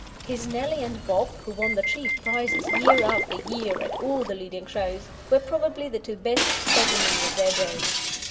His Nellie and Bob, who won the chief prizes year after year at all the leading shows, were probably the two best specimens of their day.